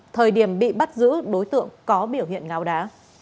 thời điểm bị bắt giữ đối tượng có biểu hiện ngáo đá